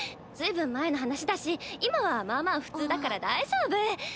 随分前の話だし今はまあまあ普通だから大丈夫。